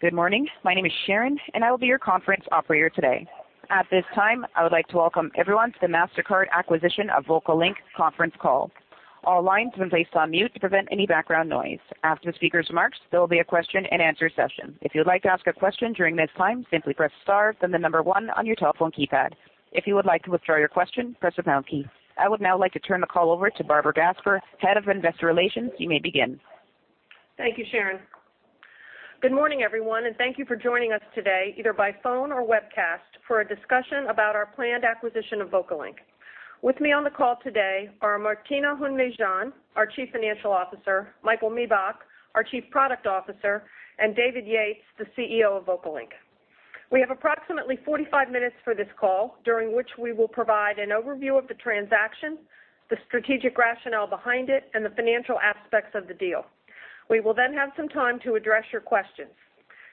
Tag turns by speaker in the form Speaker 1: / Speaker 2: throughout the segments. Speaker 1: Good morning. My name is Sharon. I will be your conference operator today. At this time, I would like to welcome everyone to the Mastercard acquisition of VocaLink conference call. All lines have been placed on mute to prevent any background noise. After the speaker's marks, there will be a question-and-answer session. If you'd like to ask a question during this time, simply press star then the number 1 on your telephone keypad. If you would like to withdraw your question, press the pound key. I would now like to turn the call over to Barbara Gasper, Head of Investor Relations. You may begin.
Speaker 2: Thank you, Sharon. Good morning, everyone. Thank you for joining us today, either by phone or webcast, for a discussion about our planned acquisition of VocaLink. With me on the call today are Martina Hund-Mejean, our Chief Financial Officer, Michael Miebach, our Chief Product Officer, and David Yates, the CEO of VocaLink. We have approximately 45 minutes for this call, during which we will provide an overview of the transaction, the strategic rationale behind it, and the financial aspects of the deal. We will have some time to address your questions.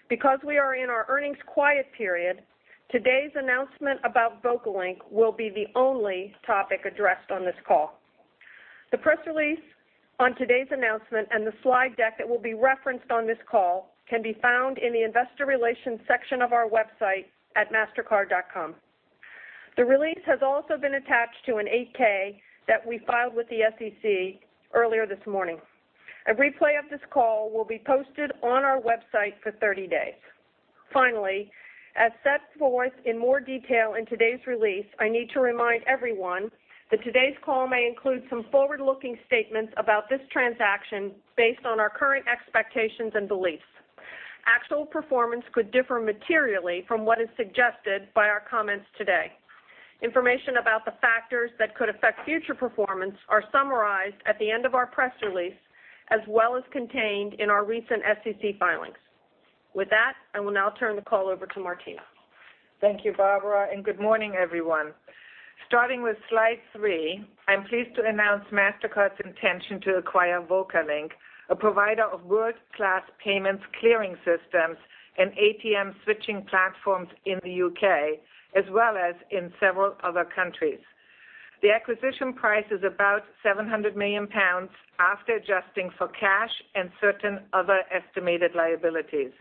Speaker 2: Because we are in our earnings quiet period, today's announcement about VocaLink will be the only topic addressed on this call. The press release on today's announcement and the slide deck that will be referenced on this call can be found in the investor relations section of our website at mastercard.com. The release has also been attached to an 8-K that we filed with the SEC earlier this morning. A replay of this call will be posted on our website for 30 days. Finally, as set forth in more detail in today's release, I need to remind everyone that today's call may include some forward-looking statements about this transaction based on our current expectations and beliefs. Actual performance could differ materially from what is suggested by our comments today. Information about the factors that could affect future performance are summarized at the end of our press release, as well as contained in our recent SEC filings. With that, I will now turn the call over to Martina.
Speaker 3: Thank you, Barbara. Good morning, everyone. Starting with slide three, I'm pleased to announce Mastercard's intention to acquire VocaLink, a provider of world-class payments clearing systems and ATM-switching platforms in the U.K., as well as in several other countries. The acquisition price is about 700 million pounds after adjusting for cash and certain other estimated liabilities.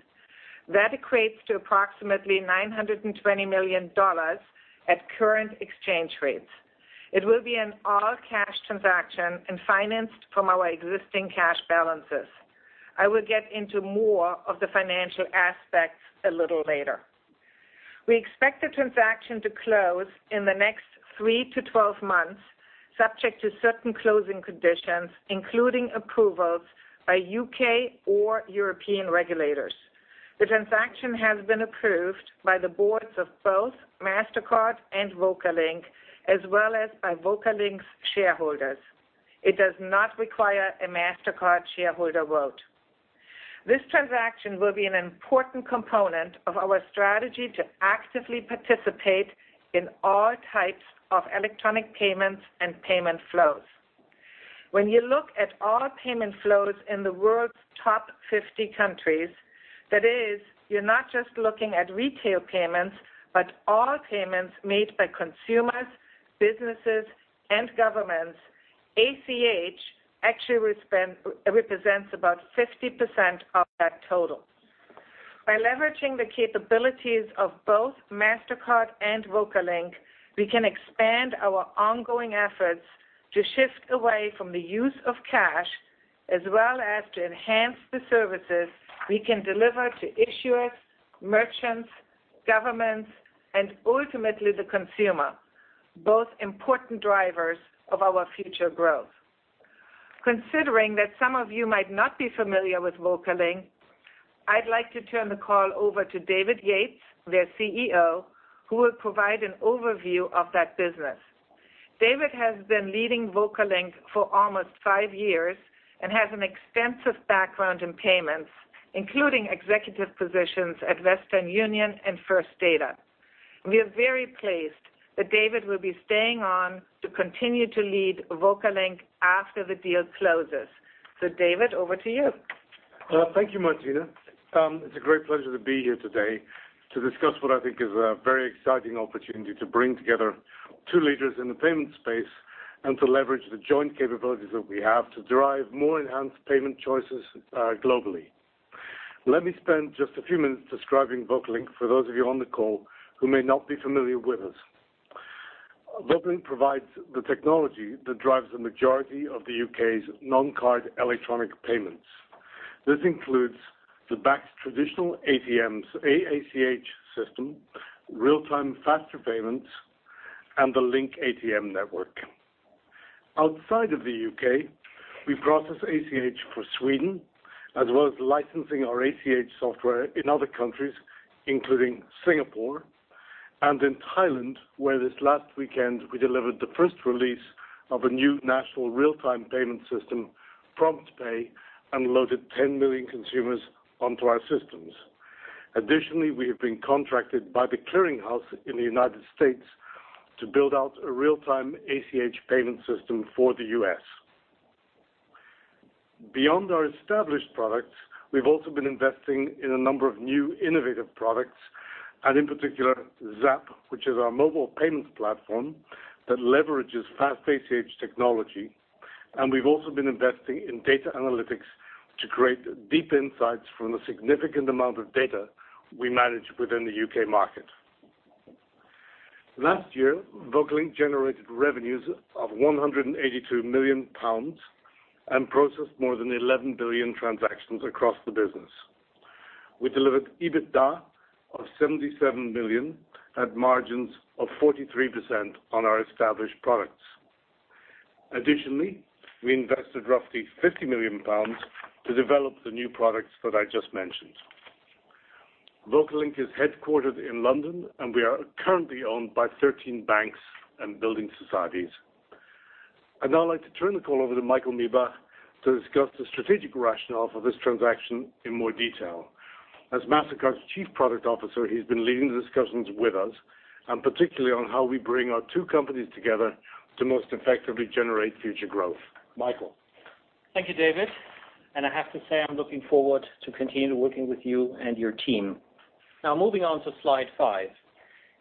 Speaker 3: That equates to approximately $920 million at current exchange rates. It will be an all-cash transaction and financed from our existing cash balances. I will get into more of the financial aspects a little later. We expect the transaction to close in the next 3-12 months, subject to certain closing conditions, including approvals by U.K. or European regulators. The transaction has been approved by the boards of both Mastercard and VocaLink, as well as by VocaLink's shareholders. It does not require a Mastercard shareholder vote. This transaction will be an important component of our strategy to actively participate in all types of electronic payments and payment flows. When you look at all payment flows in the world's top 50 countries, that is, you're not just looking at retail payments, but all payments made by consumers, businesses, and governments, ACH actually represents about 50% of that total. By leveraging the capabilities of both Mastercard and VocaLink, we can expand our ongoing efforts to shift away from the use of cash, as well as to enhance the services we can deliver to issuers, merchants, governments, and ultimately the consumer, both important drivers of our future growth. Considering that some of you might not be familiar with VocaLink, I'd like to turn the call over to David Yates, their CEO, who will provide an overview of that business. David has been leading VocaLink for almost five years and has an extensive background in payments, including executive positions at Western Union and First Data. We are very pleased that David will be staying on to continue to lead VocaLink after the deal closes. David, over to you.
Speaker 4: Thank you, Martina. It's a great pleasure to be here today to discuss what I think is a very exciting opportunity to bring together two leaders in the payment space and to leverage the joint capabilities that we have to derive more enhanced payment choices globally. Let me spend just a few minutes describing VocaLink for those of you on the call who may not be familiar with us. VocaLink provides the technology that drives the majority of the U.K.'s non-card electronic payments. This includes the Bacs traditional ACH system, real-time Faster Payments, and the LINK ATM network. Outside of the U.K., we process ACH for Sweden, as well as licensing our ACH software in other countries, including Singapore and in Thailand, where this last weekend we delivered the first release of a new national real-time payment system, PromptPay, and loaded 10 million consumers onto our systems. Additionally, we have been contracted by The Clearing House in the United States to build out a real-time ACH payment system for the U.S. Beyond our established products, we've also been investing in a number of new innovative products. In particular, ZAPP, which is our mobile payments platform that leverages fast ACH technology. We've also been investing in data analytics to create deep insights from the significant amount of data we manage within the U.K. market. Last year, VocaLink generated revenues of £182 million and processed more than 11 billion transactions across the business. We delivered EBITDA of 77 million at margins of 43% on our established products. Additionally, we invested roughly £50 million to develop the new products that I just mentioned. VocaLink is headquartered in London, and we are currently owned by 13 banks and building societies. I'd now like to turn the call over to Michael Miebach to discuss the strategic rationale for this transaction in more detail. As Mastercard's Chief Product Officer, he's been leading the discussions with us, and particularly on how we bring our two companies together to most effectively generate future growth. Michael?
Speaker 5: Thank you, David, I have to say, I'm looking forward to continue working with you and your team. Moving on to slide five.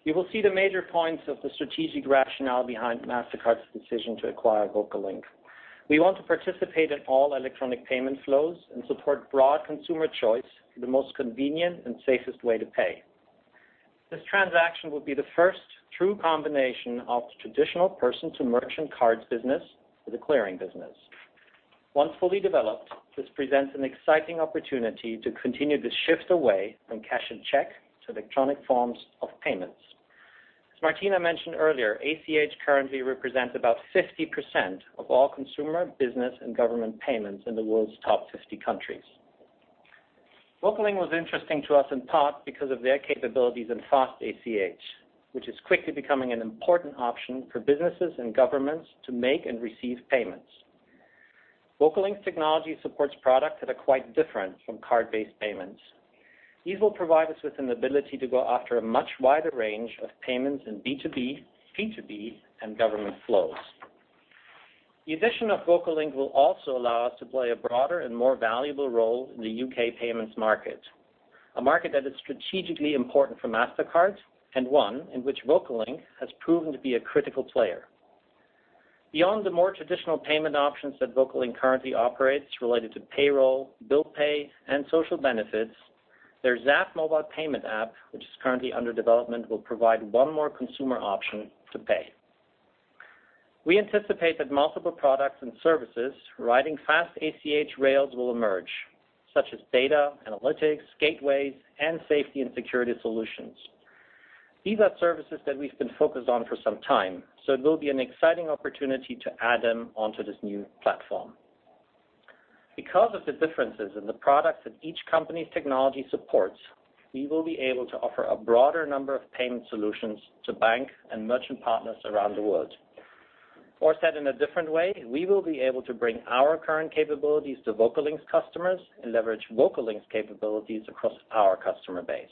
Speaker 5: You will see the major points of the strategic rationale behind Mastercard's decision to acquire VocaLink. We want to participate in all electronic payment flows and support broad consumer choice for the most convenient and safest way to pay. This transaction will be the first true combination of traditional person-to-merchant cards business with a clearing business. Once fully developed, this presents an exciting opportunity to continue the shift away from cash and check to electronic forms of payments. As Martina mentioned earlier, ACH currently represents about 50% of all consumer, business, and government payments in the world's top 50 countries. VocaLink was interesting to us in part because of their capabilities in fast ACH, which is quickly becoming an important option for businesses and governments to make and receive payments. VocaLink's technology supports products that are quite different from card-based payments. These will provide us with an ability to go after a much wider range of payments in B2B and government flows. The addition of VocaLink will also allow us to play a broader and more valuable role in the U.K. payments market, a market that is strategically important for Mastercard, and one in which VocaLink has proven to be a critical player. Beyond the more traditional payment options that VocaLink currently operates related to payroll, bill pay, and social benefits, their ZAPP mobile payment app, which is currently under development, will provide one more consumer option to pay. We anticipate that multiple products and services riding fast ACH rails will emerge, such as data analytics, gateways, and safety and security solutions. It will be an exciting opportunity to add them onto this new platform. Because of the differences in the products that each company's technology supports, we will be able to offer a broader number of payment solutions to bank and merchant partners around the world. Said in a different way, we will be able to bring our current capabilities to VocaLink's customers and leverage VocaLink's capabilities across our customer base.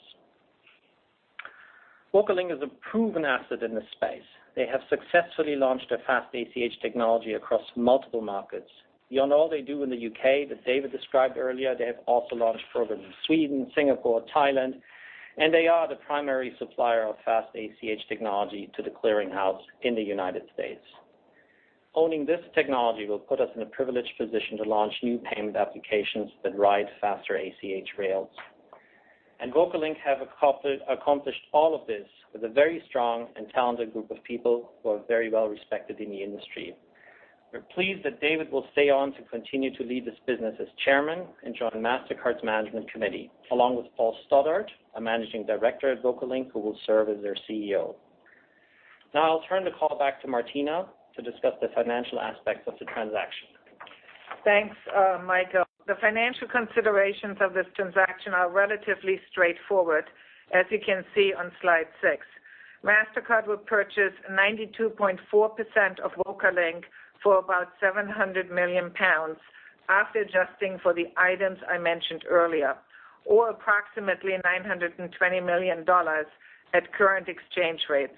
Speaker 5: VocaLink is a proven asset in this space. They have successfully launched a fast ACH technology across multiple markets. Beyond all they do in the U.K. that David described earlier, they have also launched programs in Sweden, Singapore, Thailand, and they are the primary supplier of fast ACH technology to The Clearing House in the U.S. Owning this technology will put us in a privileged position to launch new payment applications that ride faster ACH rails. VocaLink have accomplished all of this with a very strong and talented group of people who are very well respected in the industry. We're pleased that David will stay on to continue to lead this business as chairman and join Mastercard's management committee, along with Paul Stoddart, a managing director at VocaLink who will serve as their CEO. I'll turn the call back to Martina to discuss the financial aspects of the transaction.
Speaker 3: Thanks, Michael. The financial considerations of this transaction are relatively straightforward, as you can see on slide six. Mastercard will purchase 92.4% of VocaLink for about 700 million pounds after adjusting for the items I mentioned earlier, or approximately $920 million at current exchange rates.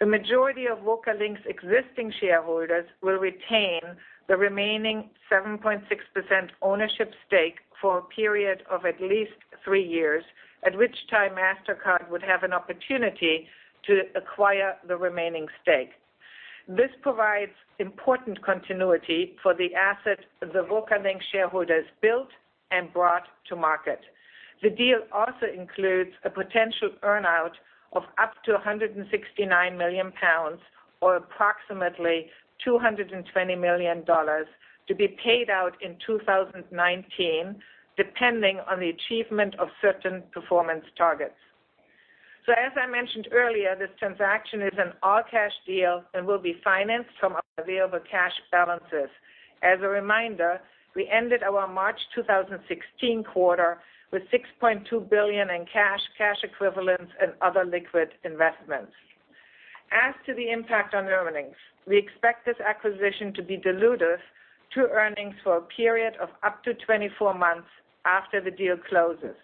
Speaker 3: The majority of VocaLink's existing shareholders will retain the remaining 7.6% ownership stake for a period of at least three years, at which time Mastercard would have an opportunity to acquire the remaining stake. This provides important continuity for the asset the VocaLink shareholders built and brought to market. The deal also includes a potential earn-out of up to 169 million pounds or approximately $220 million to be paid out in 2019, depending on the achievement of certain performance targets. As I mentioned earlier, this transaction is an all-cash deal and will be financed from our available cash balances. As a reminder, we ended our March 2016 quarter with $6.2 billion in cash equivalents, and other liquid investments. As to the impact on earnings, we expect this acquisition to be dilutive to earnings for a period of up to 24 months after the deal closes.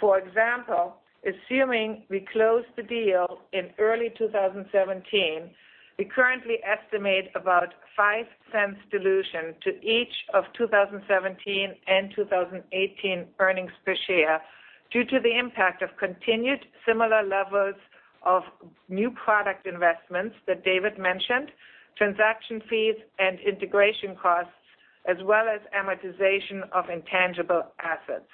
Speaker 3: For example, assuming we close the deal in early 2017, we currently estimate about $0.05 dilution to each of 2017 and 2018 earnings per share Due to the impact of continued similar levels of new product investments that David mentioned, transaction fees and integration costs, as well as amortization of intangible assets.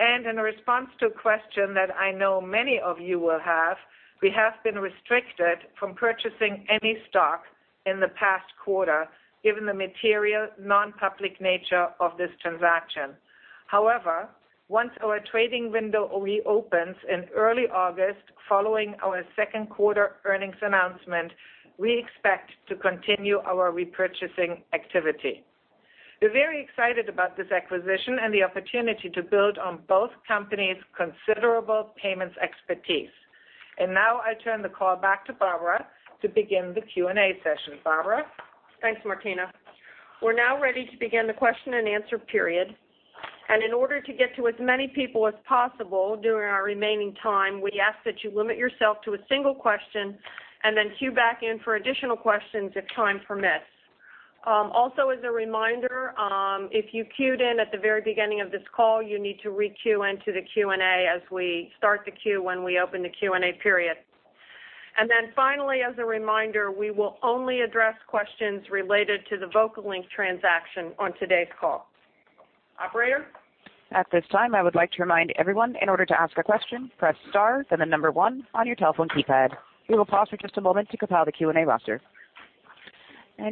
Speaker 3: In response to a question that I know many of you will have, we have been restricted from purchasing any stock in the past quarter given the material non-public nature of this transaction. However, once our trading window reopens in early August following our second quarter earnings announcement, we expect to continue our repurchasing activity. We're very excited about this acquisition and the opportunity to build on both companies' considerable payments expertise. Now I turn the call back to Barbara to begin the Q&A session. Barbara?
Speaker 2: Thanks, Martina. We're now ready to begin the question and answer period. In order to get to as many people as possible during our remaining time, we ask that you limit yourself to a single question and then queue back in for additional questions if time permits. As a reminder, if you queued in at the very beginning of this call, you need to re-queue into the Q&A as we start the queue when we open the Q&A period. Finally, as a reminder, we will only address questions related to the VocaLink transaction on today's call. Operator?
Speaker 1: At this time, I would like to remind everyone, in order to ask a question, press star, then the number 1 on your telephone keypad. We will pause for just a moment to compile the Q&A roster.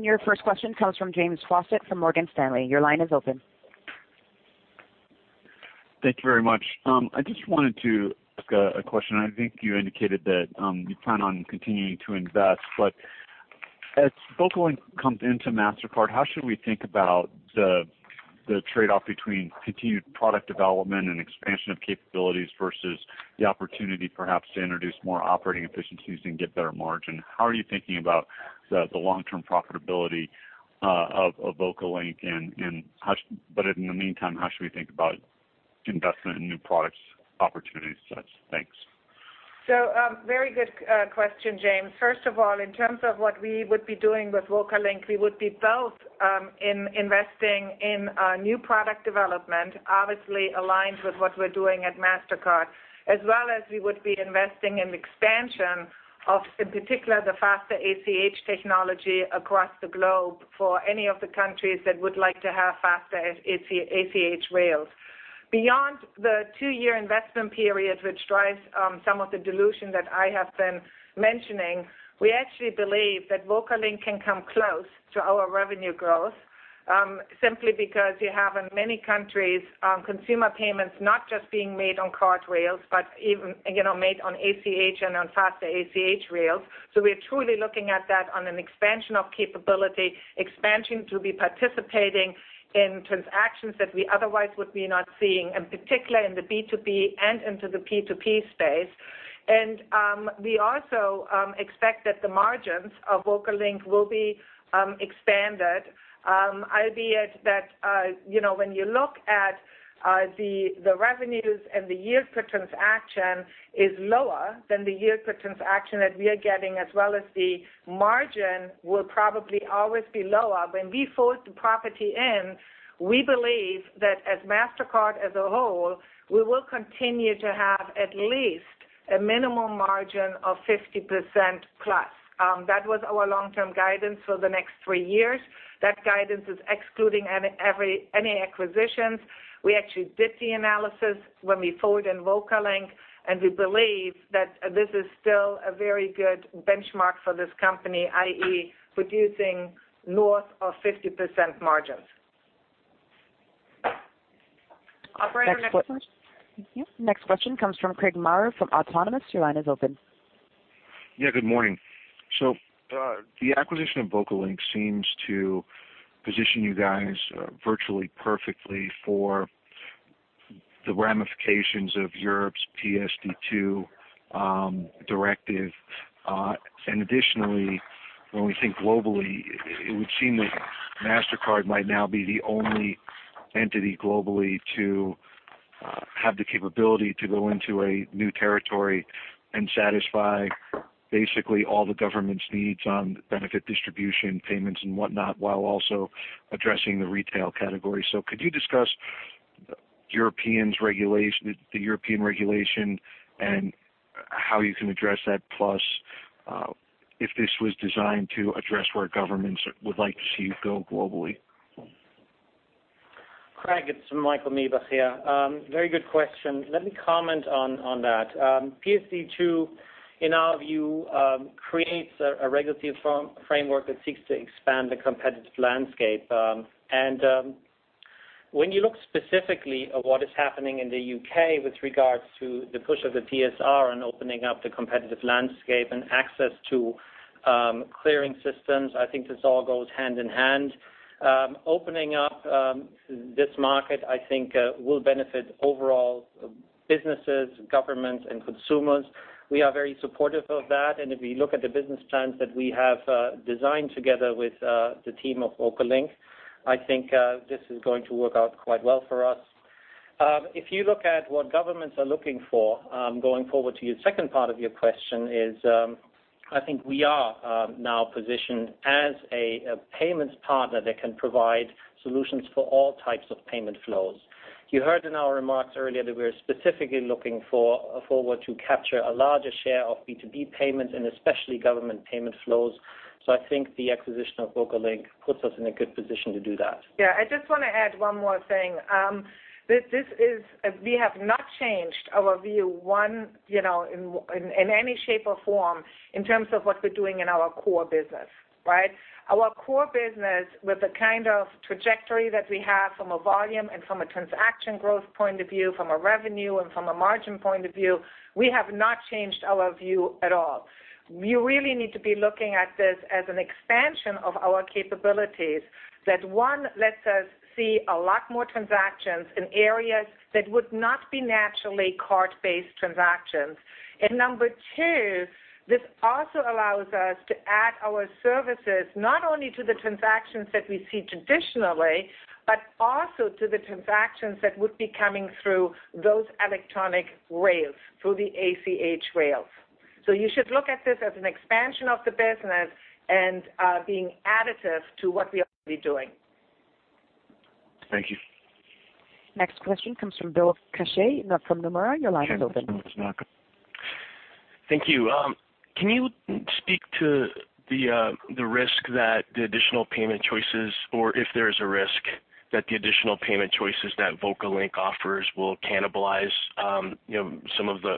Speaker 1: Your first question comes from James Faucette from Morgan Stanley. Your line is open.
Speaker 6: Thank you very much. I just wanted to ask a question. I think you indicated that you plan on continuing to invest, as VocaLink comes into Mastercard, how should we think about the trade-off between continued product development and expansion of capabilities versus the opportunity perhaps to introduce more operating efficiencies and get better margin? How are you thinking about the long-term profitability of VocaLink, in the meantime, how should we think about investment in new products opportunities? Thanks.
Speaker 3: Very good question, James. First of all, in terms of what we would be doing with VocaLink, we would be both investing in new product development, obviously aligned with what we're doing at Mastercard, as well as we would be investing in expansion of, in particular, the faster ACH technology across the globe for any of the countries that would like to have faster ACH rails. Beyond the 2-year investment period, which drives some of the dilution that I have been mentioning, we actually believe that VocaLink can come close to our revenue growth simply because you have in many countries consumer payments not just being made on card rails, but made on ACH and on faster ACH rails. We're truly looking at that on an expansion of capability, expansion to be participating in transactions that we otherwise would be not seeing, in particular in the B2B and into the P2P space. We also expect that the margins of VocaLink will be expanded. Idea is that when you look at the revenues and the yield per transaction is lower than the yield per transaction that we are getting as well as the margin will probably always be lower. When we fold the property in, we believe that as Mastercard as a whole, we will continue to have at least a minimum margin of 50%-plus. That was our long-term guidance for the next three years. That guidance is excluding any acquisitions. We actually did the analysis when we fold in VocaLink, and we believe that this is still a very good benchmark for this company, i.e., producing north of 50% margins.
Speaker 2: Operator, next question.
Speaker 1: Thank you. Next question comes from Craig Maurer from Autonomous. Your line is open.
Speaker 7: Good morning. The acquisition of VocaLink seems to position you guys virtually perfectly for the ramifications of Europe's PSD2 directive. Additionally, when we think globally, it would seem that Mastercard might now be the only entity globally to have the capability to go into a new territory and satisfy basically all the government's needs on benefit distribution payments and whatnot while also addressing the retail category. Could you discuss the European regulation and how you can address that, plus if this was designed to address where governments would like to see you go globally?
Speaker 5: Craig, it is Michael Miebach here. Very good question. Let me comment on that. PSD2, in our view creates a regulatory framework that seeks to expand the competitive landscape. When you look specifically at what is happening in the U.K. with regards to the push of the PSR and opening up the competitive landscape and access to clearing systems, I think this all goes hand in hand. Opening up this market, I think will benefit overall businesses, governments, and consumers. We are very supportive of that. If you look at the business plans that we have designed together with the team of VocaLink, I think this is going to work out quite well for us. If you look at what governments are looking for, going forward to your second part of your question is I think we are now positioned as a payments partner that can provide solutions for all types of payment flows. You heard in our remarks earlier that we are specifically looking forward to capture a larger share of B2B payments and especially government payment flows. I think the acquisition of VocaLink puts us in a good position to do that.
Speaker 3: Yeah. I just want to add one more thing. We have not changed our view one in any shape or form in terms of what we are doing in our core business, right? Our core business with the kind of trajectory that we have from a volume and from a transaction growth point of view, from a revenue and from a margin point of view, we have not changed our view at all. You really need to be looking at this as an expansion of our capabilities. That one lets us see a lot more transactions in areas that would not be naturally card-based transactions. Number two, this also allows us to add our services not only to the transactions that we see traditionally, but also to the transactions that would be coming through those electronic rails, through the ACH rails. You should look at this as an expansion of the business and being additive to what we are already doing.
Speaker 7: Thank you.
Speaker 1: Next question comes from Bill Carcache from Nomura. Your line is open.
Speaker 8: Thank you. Can you speak to the risk that the additional payment choices, or if there is a risk that the additional payment choices that VocaLink offers will cannibalize some of the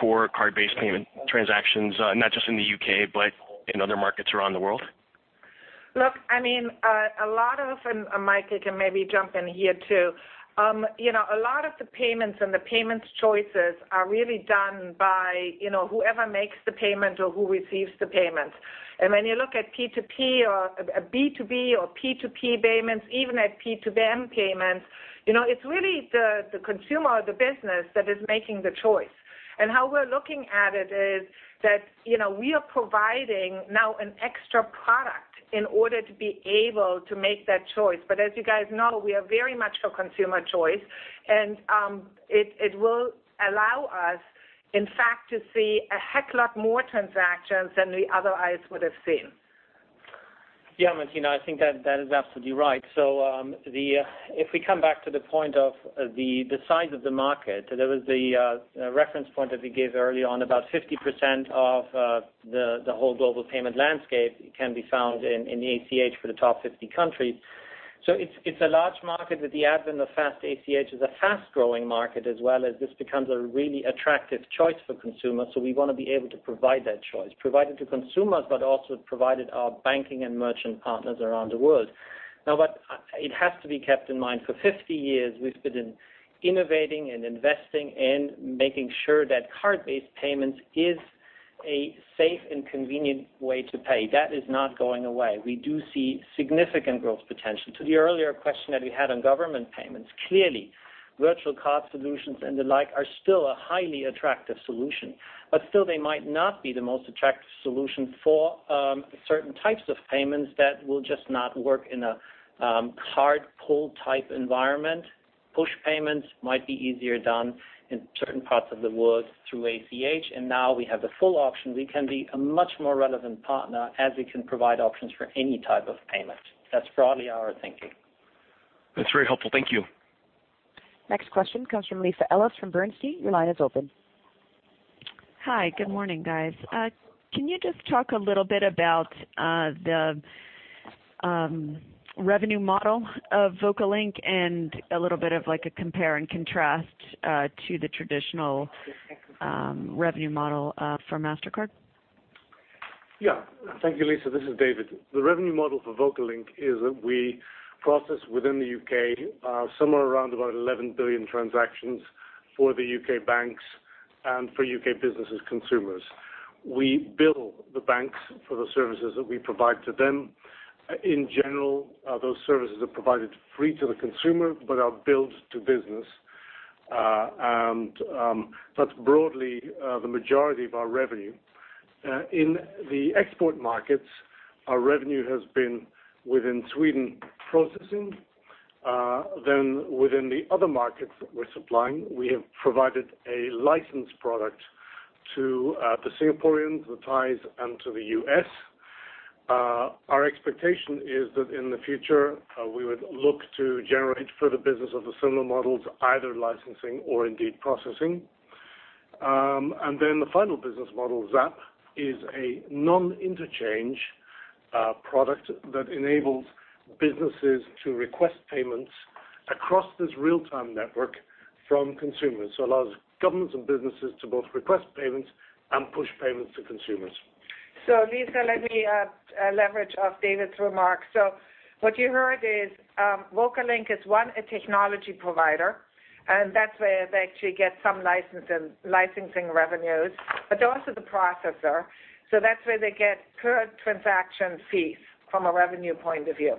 Speaker 8: core card-based payment transactions not just in the U.K., but in other markets around the world?
Speaker 3: Look, Michael can maybe jump in here too. A lot of the payments and the payments choices are really done by whoever makes the payment or who receives the payment. When you look at P2P or B2B or P2P payments, even at P2M payments, it's really the consumer or the business that is making the choice. How we're looking at it is that we are providing now an extra product in order to be able to make that choice. As you guys know, we are very much for consumer choice and it will allow us, in fact, to see a heck lot more transactions than we otherwise would have seen.
Speaker 5: Yeah, Martina, I think that is absolutely right. If we come back to the point of the size of the market, there was the reference point that we gave early on. About 50% of the whole global payment landscape can be found in the ACH for the top 50 countries. It's a large market. With the advent of fast ACH is a fast-growing market as well, as this becomes a really attractive choice for consumers. We want to be able to provide that choice. Provide it to consumers, but also provide it our banking and merchant partners around the world. It has to be kept in mind, for 50 years, we've been innovating and investing and making sure that card-based payments is a safe and convenient way to pay. That is not going away. We do see significant growth potential. To the earlier question that we had on government payments, clearly virtual card solutions and the like are still a highly attractive solution. Still, they might not be the most attractive solution for certain types of payments that will just not work in a card pull type environment. Push payments might be easier done in certain parts of the world through ACH, now we have the full option. We can be a much more relevant partner as we can provide options for any type of payment. That's broadly our thinking.
Speaker 8: That's very helpful. Thank you.
Speaker 1: Next question comes from Lisa Ellis from Bernstein. Your line is open.
Speaker 9: Hi. Good morning, guys. Can you just talk a little bit about the revenue model of VocaLink and a little bit of like a compare and contrast to the traditional revenue model for Mastercard?
Speaker 4: Yeah. Thank you, Lisa. This is David. The revenue model for VocaLink is that we process within the U.K. somewhere around about 11 billion transactions for the U.K. banks and for U.K. businesses, consumers. We bill the banks for the services that we provide to them. In general, those services are provided free to the consumer but are billed to business. That's broadly the majority of our revenue. In the export markets, our revenue has been within Sweden processing. Within the other markets that we're supplying, we have provided a licensed product to the Singaporeans, the Thais, and to the U.S. Our expectation is that in the future, we would look to generate further business of the similar models, either licensing or indeed processing. The final business model, ZAPP, is a non-interchange product that enables businesses to request payments across this real-time network from consumers. Allows governments and businesses to both request payments and push payments to consumers.
Speaker 3: Lisa, let me leverage off David's remarks. What you heard is VocaLink is one, a technology provider, and that's where they actually get some licensing revenues, but also the processor. That's where they get per transaction fees from a revenue point of view.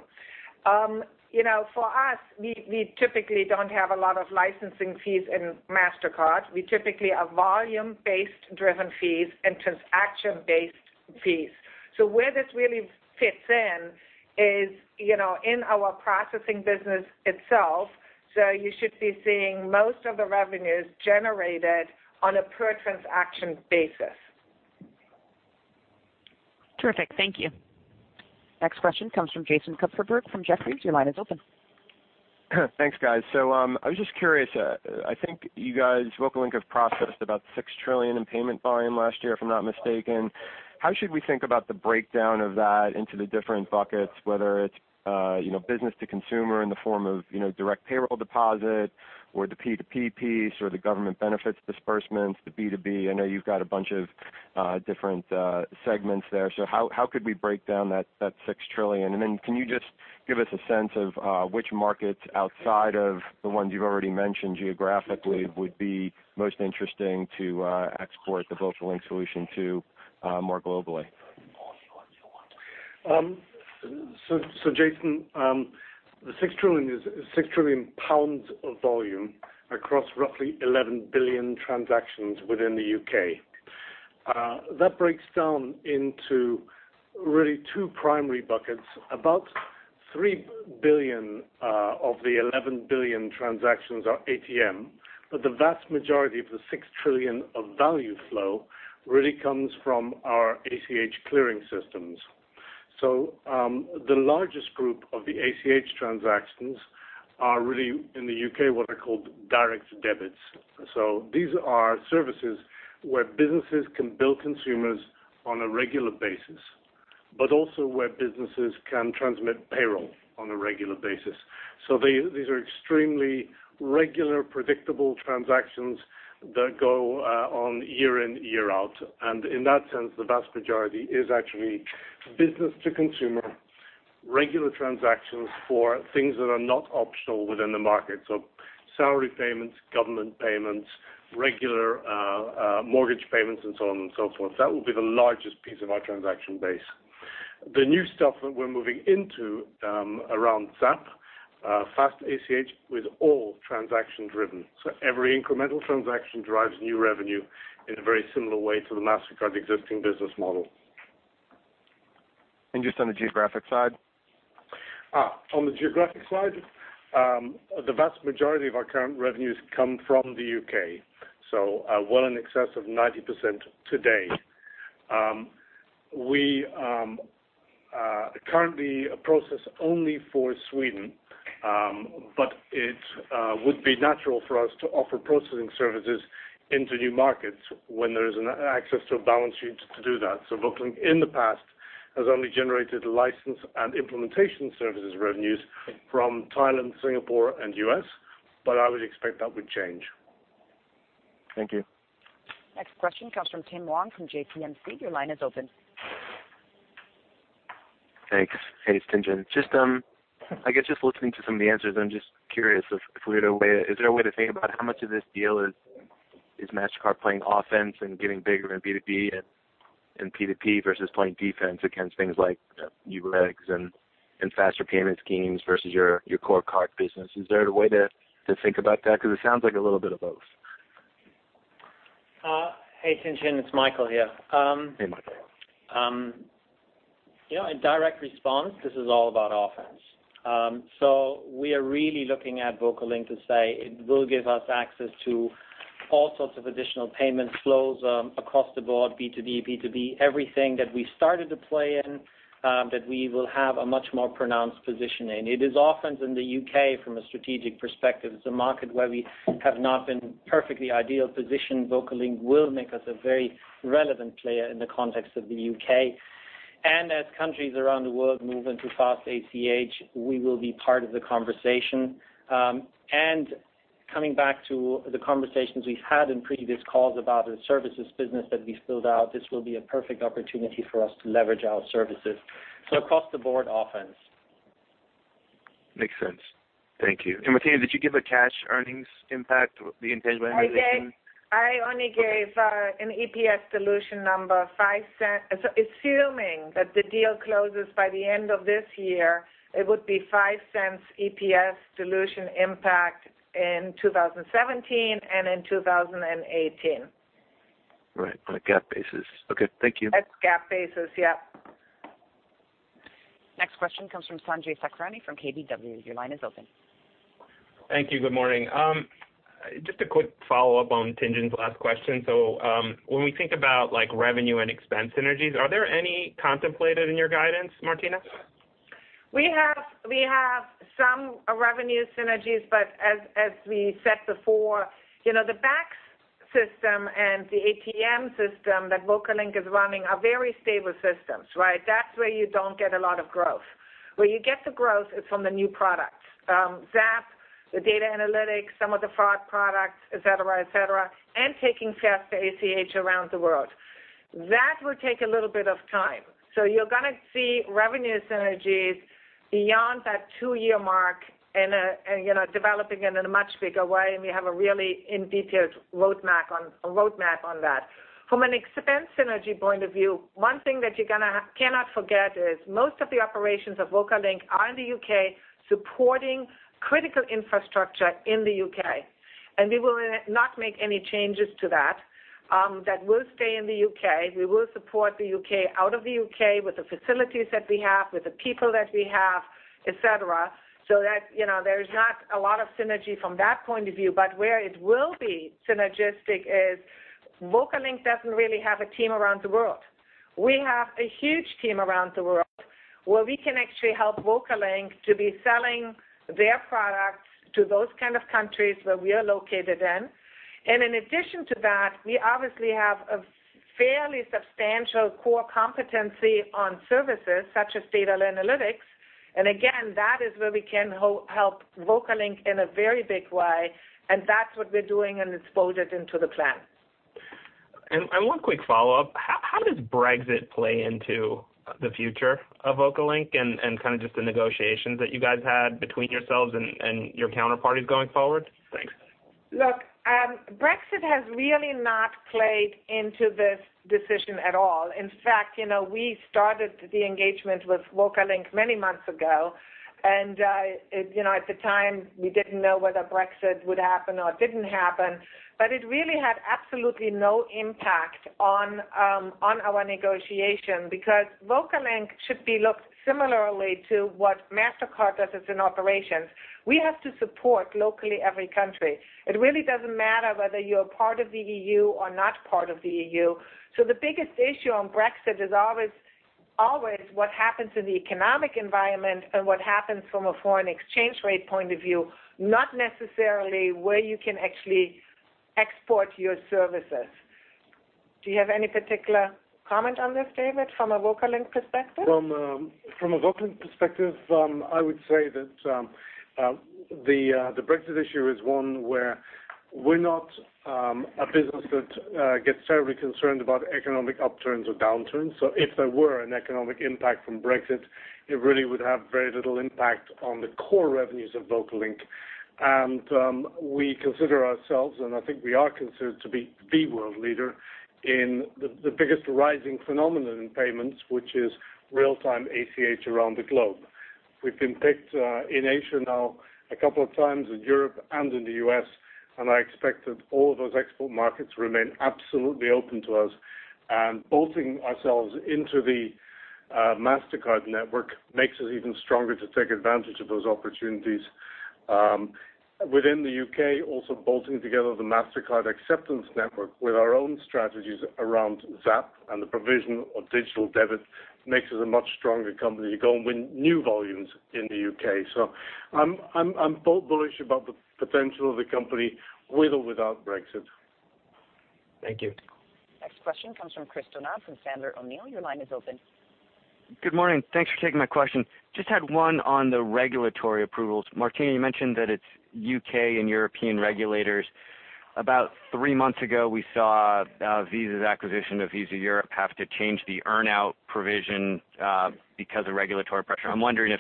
Speaker 3: For us, we typically don't have a lot of licensing fees in Mastercard. We typically are volume-based driven fees and transaction-based fees. Where this really fits in is in our processing business itself. You should be seeing most of the revenues generated on a per transaction basis.
Speaker 1: Terrific. Thank you. Next question comes from Jason Kupferberg from Jefferies. Your line is open.
Speaker 10: Thanks, guys. I was just curious, I think you guys, VocaLink, have processed about 6 trillion in payment volume last year, if I'm not mistaken. How should we think about the breakdown of that into the different buckets, whether it's business to consumer in the form of direct payroll deposit or the P2P piece or the government benefits disbursements, the B2B? I know you've got a bunch of different segments there. How could we break down that 6 trillion? Can you just give us a sense of which markets outside of the ones you've already mentioned geographically would be most interesting to export the VocaLink solution to more globally?
Speaker 4: Jason, the 6 trillion is 6 trillion pounds of volume across roughly 11 billion transactions within the U.K. That breaks down into really two primary buckets. About 3 billion of the 11 billion transactions are ATM, but the vast majority of the 6 trillion of value flow really comes from our ACH clearing systems. The largest group of the ACH transactions are really in the U.K., what are called direct debits. These are services where businesses can bill consumers on a regular basis, but also where businesses can transmit payroll on a regular basis. These are extremely regular, predictable transactions that go on year in, year out. In that sense, the vast majority is actually business to consumer, regular transactions for things that are not optional within the market. Salary payments, government payments, regular mortgage payments, and so on and so forth. That will be the largest piece of our transaction base. The new stuff that we're moving into around ZAPP, fast ACH with all transaction driven. Every incremental transaction drives new revenue in a very similar way to the Mastercard existing business model.
Speaker 10: Just on the geographic side?
Speaker 4: On the geographic side the vast majority of our current revenues come from the U.K. Well in excess of 90% today. We currently process only for Sweden. It would be natural for us to offer processing services into new markets when there is an access to a balance sheet to do that. VocaLink in the past has only generated license and implementation services revenues from Thailand, Singapore, and U.S., but I would expect that would change.
Speaker 10: Thank you.
Speaker 1: Next question comes from Tien-tsin Huang from JPMC. Your line is open.
Speaker 11: Thanks. Hey, it's Tien-tsin. I guess just listening to some of the answers, I'm just curious if we had a way, is there a way to think about how much of this deal is Mastercard playing offense and getting bigger in B2B and P2P versus playing defense against things like new regs and Faster Payments schemes versus your core card business? Is there a way to think about that? Because it sounds like a little bit of both.
Speaker 5: Hey, Tien-tsin, it's Michael here.
Speaker 11: Hey, Michael.
Speaker 5: In direct response, this is all about offense. We are really looking at VocaLink to say it will give us access to all sorts of additional payment flows across the board, B2B, everything that we started to play in that we will have a much more pronounced position in. It is offense in the U.K. from a strategic perspective. It is a market where we have not been perfectly ideal positioned. VocaLink will make us a very relevant player in the context of the U.K. As countries around the world move into fast ACH, we will be part of the conversation. Coming back to the conversations we've had in previous calls about the services business that we filled out, this will be a perfect opportunity for us to leverage our services. Across the board offense.
Speaker 11: Makes sense. Thank you. Martina, did you give a cash earnings impact with the integration?
Speaker 3: I only gave an EPS dilution number, assuming that the deal closes by the end of this year, it would be $0.05 EPS dilution impact in 2017 and in 2018.
Speaker 11: Right, on a GAAP basis. Okay. Thank you.
Speaker 3: That's GAAP basis, yep.
Speaker 1: Next question comes from Sanjay Sakhrani from KBW. Your line is open.
Speaker 12: Thank you. Good morning. Just a quick follow-up on Tien-tsin's last question. When we think about revenue and expense synergies, are there any contemplated in your guidance, Martina?
Speaker 3: We have some revenue synergies, but as we said before, the Bacs system and the ATM system that VocaLink is running are very stable systems, right? That's where you don't get a lot of growth. Where you get the growth is from the new products. ZAPP, the data analytics, some of the fraud products, et cetera, and taking Faster ACH around the world. That will take a little bit of time. You're going to see revenue synergies beyond that two-year mark and developing in a much bigger way, and we have a really in detailed roadmap on that. From an expense synergy point of view, one thing that you cannot forget is most of the operations of VocaLink are in the U.K. supporting critical infrastructure in the U.K., and we will not make any changes to that. That will stay in the U.K. We will support the U.K. out of the U.K. with the facilities that we have, with the people that we have, et cetera. There's not a lot of synergy from that point of view, but where it will be synergistic is VocaLink doesn't really have a team around the world. We have a huge team around the world where we can actually help VocaLink to be selling their products to those kind of countries where we are located in. In addition to that, we obviously have a fairly substantial core competency on services such as data analytics. Again, that is where we can help VocaLink in a very big way, and that's what we're doing, and it's folded into the plan.
Speaker 12: One quick follow-up. How does Brexit play into the future of VocaLink and just the negotiations that you guys had between yourselves and your counterparties going forward? Thanks.
Speaker 3: Look, Brexit has really not played into this decision at all. In fact, we started the engagement with VocaLink many months ago, and at the time, we didn't know whether Brexit would happen or it didn't happen. It really had absolutely no impact on our negotiation because VocaLink should be looked similarly to what Mastercard does as an operation. We have to support locally every country. It really doesn't matter whether you're part of the EU or not part of the EU. The biggest issue on Brexit is always what happens in the economic environment and what happens from a foreign exchange rate point of view, not necessarily where you can actually export your services. Do you have any particular comment on this, David, from a VocaLink perspective?
Speaker 4: From a VocaLink perspective, I would say that the Brexit issue is one where we're not a business that gets terribly concerned about economic upturns or downturns. If there were an economic impact from Brexit, it really would have very little impact on the core revenues of VocaLink. We consider ourselves, and I think we are considered to be the world leader in the biggest rising phenomenon in payments, which is real-time ACH around the globe. We've been picked in Asia now a couple of times, in Europe and in the U.S., I expect that all of those export markets remain absolutely open to us. Bolting ourselves into the Mastercard network makes us even stronger to take advantage of those opportunities. Within the U.K., also bolting together the Mastercard acceptance network with our own strategies around ZAPP and the provision of digital debit makes us a much stronger company to go and win new volumes in the U.K. I'm bullish about the potential of the company with or without Brexit.
Speaker 12: Thank you.
Speaker 1: Next question comes from Chris Donat from Sandler O'Neill. Your line is open.
Speaker 13: Good morning. Thanks for taking my question. Just had one on the regulatory approvals. Martina, you mentioned that it's U.K. and European regulators. About three months ago, we saw Visa's acquisition of Visa Europe have to change the earn-out provision because of regulatory pressure. I'm wondering if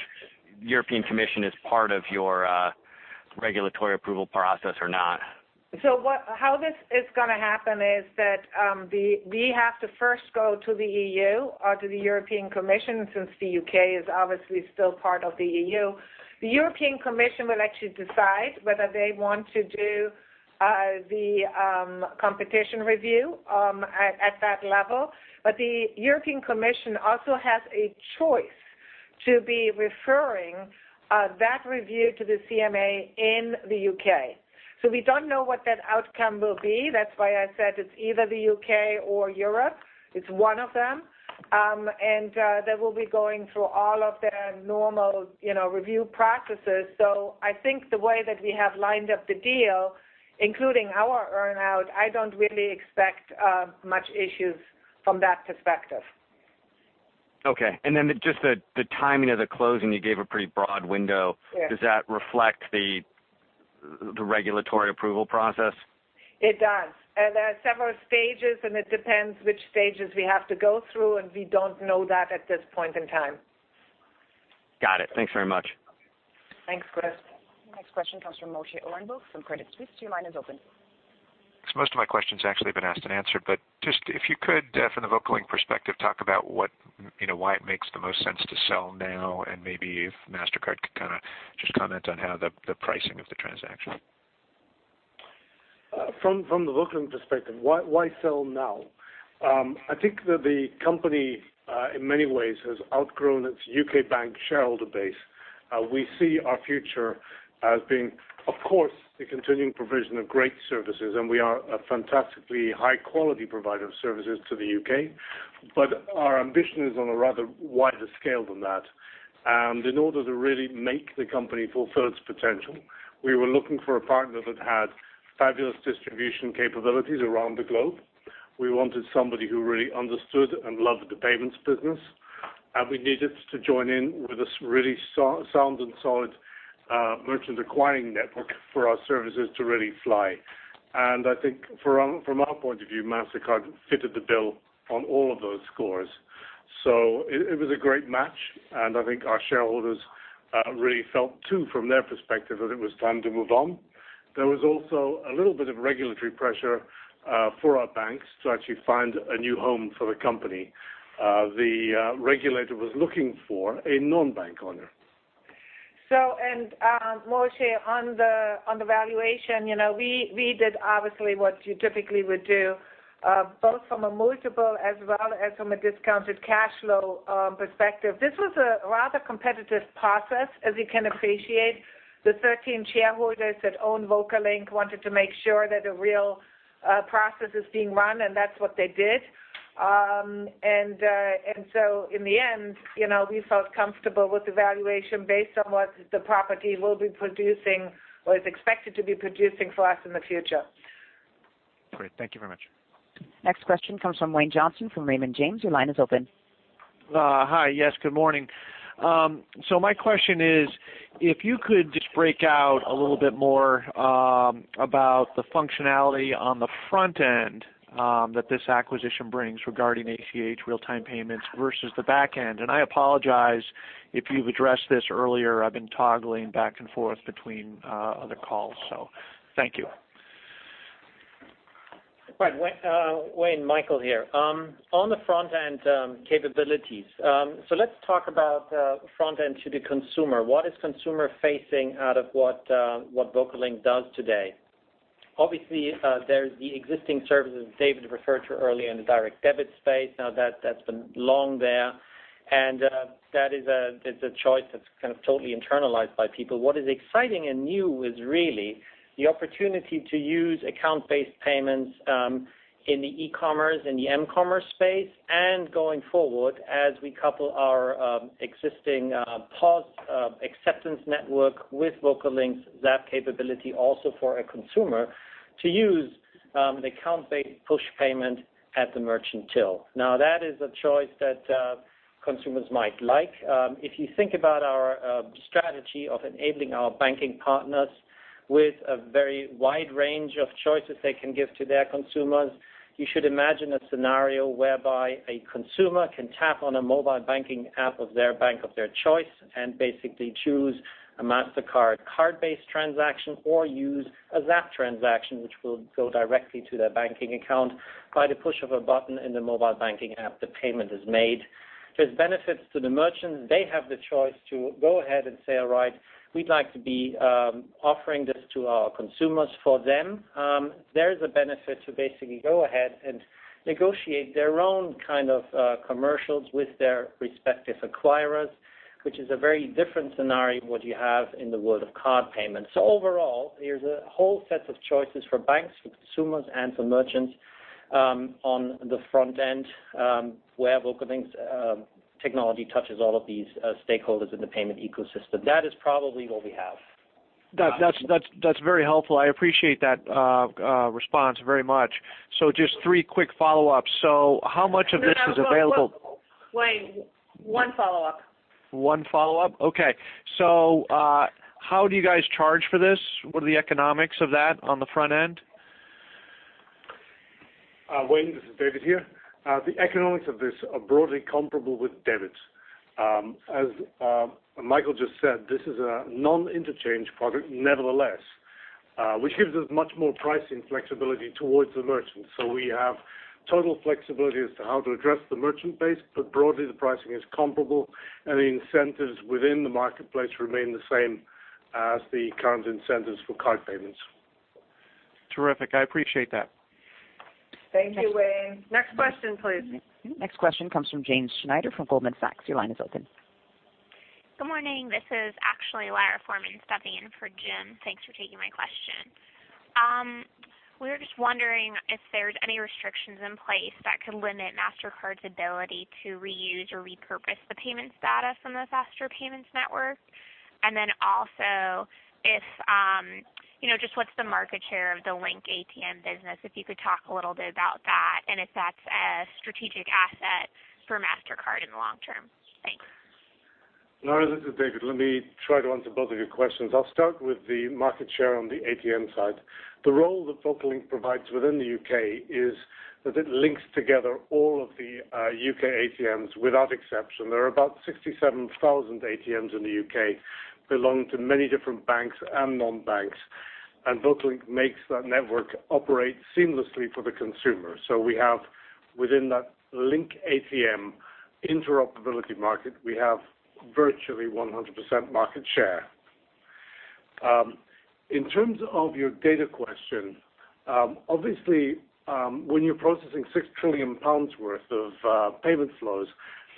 Speaker 13: European Commission is part of your regulatory approval process or not.
Speaker 3: How this is going to happen is that we have to first go to the EU or to the European Commission, since the U.K. is obviously still part of the EU. The European Commission will actually decide whether they want to do the competition review at that level. The European Commission also has a choice to be referring that review to the CMA in the U.K. We don't know what that outcome will be. That's why I said it's either the U.K. or Europe. It's one of them. They will be going through all of their normal review practices. I think the way that we have lined up the deal, including our earn-out, I don't really expect much issues from that perspective.
Speaker 13: Okay. Just the timing of the closing, you gave a pretty broad window.
Speaker 3: Yes.
Speaker 13: Does that reflect the regulatory approval process?
Speaker 3: It does. There are several stages, and it depends which stages we have to go through, and we don't know that at this point in time.
Speaker 13: Got it. Thanks very much.
Speaker 3: Thanks, Chris.
Speaker 1: Next question comes from Moshe Orenbuch from Credit Suisse. Your line is open.
Speaker 14: Most of my questions actually have been asked and answered. Just if you could, from the VocaLink perspective, talk about why it makes the most sense to sell now and maybe if Mastercard could just comment on how the pricing of the transaction.
Speaker 4: From the VocaLink perspective, why sell now? I think that the company, in many ways, has outgrown its U.K. bank shareholder base. We see our future as being, of course, the continuing provision of great services, and we are a fantastically high-quality provider of services to the U.K. Our ambition is on a rather wider scale than that. In order to really make the company fulfill its potential, we were looking for a partner that had fabulous distribution capabilities around the globe. We wanted somebody who really understood and loved the payments business. We needed to join in with a really sound and solid merchant acquiring network for our services to really fly. I think from our point of view, Mastercard fitted the bill on all of those scores. It was a great match, and I think our shareholders really felt too, from their perspective, that it was time to move on. There was also a little bit of regulatory pressure for our banks to actually find a new home for the company. The regulator was looking for a non-bank owner.
Speaker 3: Moshe, on the valuation, we did obviously what you typically would do, both from a multiple as well as from a discounted cash flow perspective. This was a rather competitive process, as you can appreciate. The 13 shareholders that own VocaLink wanted to make sure that a real process being run and that's what they did. In the end, we felt comfortable with the valuation based on what the property will be producing or is expected to be producing for us in the future.
Speaker 14: Great. Thank you very much.
Speaker 1: Next question comes from Wayne Johnson from Raymond James. Your line is open.
Speaker 15: Hi. Yes, good morning. My question is, if you could just break out a little bit more about the functionality on the front end that this acquisition brings regarding ACH real-time payments versus the back end. I apologize if you've addressed this earlier. I've been toggling back and forth between other calls, thank you.
Speaker 5: Right. Wayne, Michael here. On the front-end capabilities. Let's talk about frontend to the consumer. What is consumer facing out of what VocaLink does today? Obviously, there's the existing services David referred to earlier in the direct debit space. That's been long there, that is a choice that's kind of totally internalized by people. What is exciting and new is really the opportunity to use account-based payments in the e-commerce and the m-commerce space and going forward as we couple our existing POS acceptance network with VocaLink's ZAPP capability also for a consumer to use an account-based push payment at the merchant till. That is a choice that consumers might like. If you think about our strategy of enabling our banking partners with a very wide range of choices they can give to their consumers, you should imagine a scenario whereby a consumer can tap on a mobile banking app of their bank of their choice and basically choose a Mastercard card-based transaction or use a ZAPP transaction, which will go directly to their banking account. By the push of a button in the mobile banking app, the payment is made. There's benefits to the merchants. They have the choice to go ahead and say, "All right. We'd like to be offering this to our consumers for them." There is a benefit to basically go ahead and negotiate their own kind of commercials with their respective acquirers, which is a very different scenario what you have in the world of card payments. Overall, there's a whole set of choices for banks, for consumers, and for merchants on the front end where VocaLink's technology touches all of these stakeholders in the payment ecosystem. That is probably all we have.
Speaker 15: That's very helpful. I appreciate that response very much. Just three quick follow-ups. How much of this is available?
Speaker 3: Wayne, one follow-up.
Speaker 15: One follow-up? Okay. How do you guys charge for this? What are the economics of that on the front end?
Speaker 4: Wayne, this is David here. The economics of this are broadly comparable with debit. As Michael just said, this is a non-interchange product nevertheless, which gives us much more pricing flexibility towards the merchant. We have total flexibility as to how to address the merchant base, but broadly, the pricing is comparable and the incentives within the marketplace remain the same as the current incentives for card payments.
Speaker 15: Terrific. I appreciate that.
Speaker 3: Thank you, Wayne. Next question, please.
Speaker 1: Next question comes from James Schneider from Goldman Sachs. Your line is open.
Speaker 16: Good morning. This is actually Lara Forman stepping in for Jim. Thanks for taking my question. We were just wondering if there is any restrictions in place that could limit Mastercard's ability to reuse or repurpose the payments data from the Faster Payments network. What is the market share of the LINK ATM business, if you could talk a little bit about that and if that is a strategic asset for Mastercard in the long term. Thanks.
Speaker 4: Lara, this is David. Let me try to answer both of your questions. I will start with the market share on the ATM side. The role that VocaLink provides within the U.K. is that it links together all of the U.K. ATMs without exception. There are about 67,000 ATMs in the U.K. belonging to many different banks and non-banks. VocaLink makes that network operate seamlessly for the consumer. We have within that LINK ATM interoperability market, we have virtually 100% market share. In terms of your data question, obviously, when you are processing 6 trillion pounds worth of payment flows,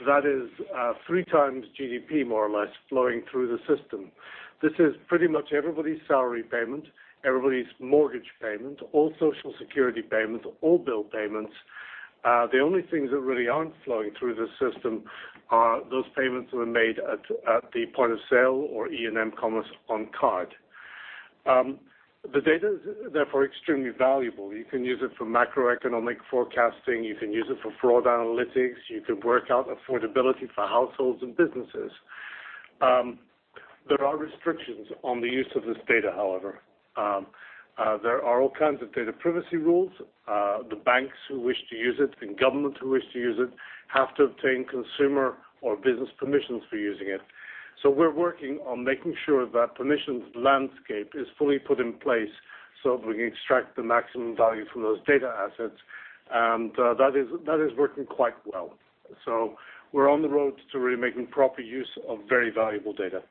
Speaker 4: that is three times GDP more or less flowing through the system. This is pretty much everybody's salary payment, everybody's mortgage payment, all social security payments, all bill payments. The only things that really aren't flowing through the system are those payments that were made at the point of sale or e- and m-commerce on card. The data is therefore extremely valuable. You can use it for macroeconomic forecasting. You can use it for fraud analytics. You can work out affordability for households and businesses. There are restrictions on the use of this data, however. There are all kinds of data privacy rules. The banks who wish to use it and government who wish to use it have to obtain consumer or business permissions for using it. We are working on making sure that permissions landscape is fully put in place so we can extract the maximum value from those data assets. That is working quite well. We are on the road to really making proper use of very valuable data.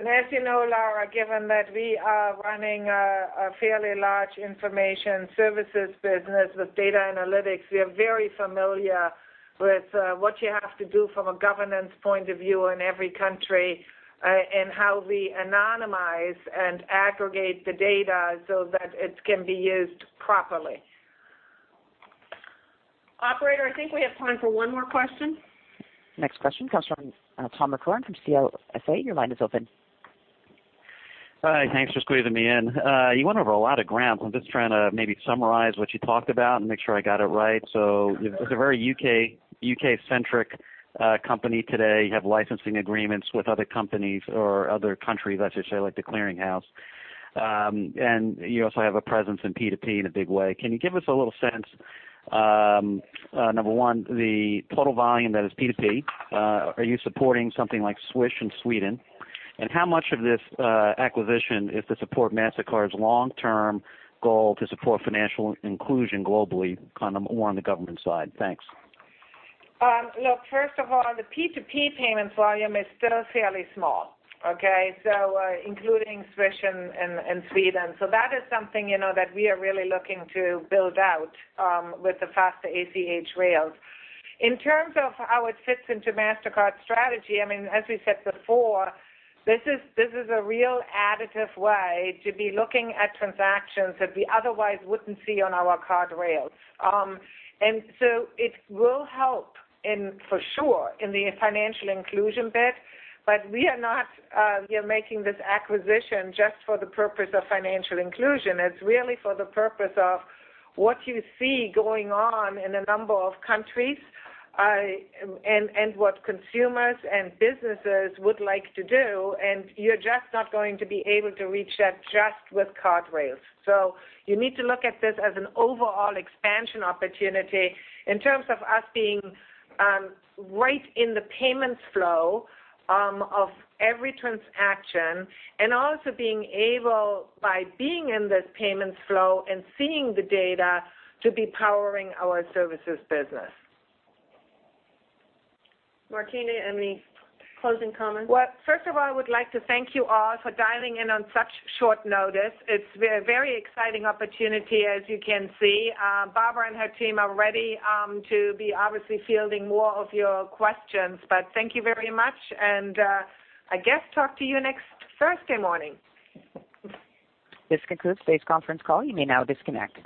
Speaker 3: As you know, Lara, given that we are running a fairly large information services business with data analytics, we are very familiar with what you have to do from a governance point of view in every country and how we anonymize and aggregate the data so that it can be used properly. Operator, I think we have time for one more question.
Speaker 1: Next question comes from Thomas McCrohan from CLSA. Your line is open.
Speaker 17: Hi. Thanks for squeezing me in. You went over a lot of ground. I'm just trying to maybe summarize what you talked about and make sure I got it right. It's a very U.K.-centric company today. You have licensing agreements with other companies or other countries, I should say, like The Clearing House. You also have a presence in P2P in a big way. Can you give us a little sense, number one, the total volume that is P2P? Are you supporting something like Swish in Sweden? How much of this acquisition is to support Mastercard's long-term goal to support financial inclusion globally, more on the government side? Thanks.
Speaker 3: Look, first of all, the P2P payments volume is still fairly small, okay, including Swish in Sweden. That is something that we are really looking to build out with the faster ACH rails. In terms of how it fits into Mastercard strategy, as we said before, this is a real additive way to be looking at transactions that we otherwise wouldn't see on our card rails. It will help for sure in the financial inclusion bit. We are not here making this acquisition just for the purpose of financial inclusion. It's really for the purpose of what you see going on in a number of countries and what consumers and businesses would like to do, and you're just not going to be able to reach that just with card rails. You need to look at this as an overall expansion opportunity in terms of us being right in the payments flow of every transaction, and also being able, by being in this payments flow and seeing the data, to be powering our services business.
Speaker 1: Martina, any closing comments?
Speaker 3: Well, first of all, I would like to thank you all for dialing in on such short notice. It's a very exciting opportunity, as you can see. Barbara and her team are ready to be obviously fielding more of your questions. Thank you very much, and I guess talk to you next Thursday morning.
Speaker 1: This concludes today's conference call. You may now disconnect.